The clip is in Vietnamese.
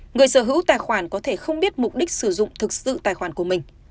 người sở hữu tài khoản có thể không biết mục đích sử dụng thực sự tài khoản của mình